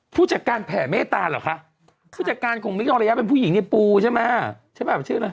ผู้จัดการแผ่เมตตาเหรอคะผู้จัดการของมิคทองระยะเป็นผู้หญิงในปูใช่ไหมใช่ป่ะชื่ออะไร